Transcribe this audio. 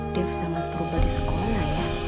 dia sangat berubah di sekolah ya